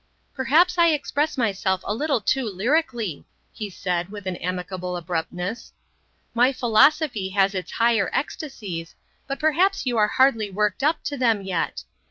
"Perhaps I express myself a little too lyrically," he said with an amicable abruptness. "My philosophy has its higher ecstasies, but perhaps you are hardly worked up to them yet.